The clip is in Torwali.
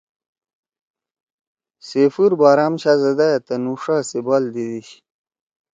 سیفور بارام شاھزدہ یے تُنُو شا سی بال دیدی شی۔